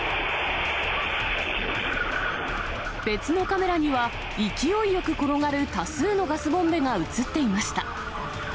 別のカメラには、勢いよく転がる多数のガスボンベが写っていました。